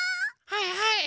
はいはい。